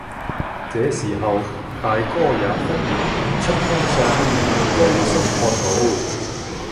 這時候，大哥也忽然顯出凶相，高聲喝道，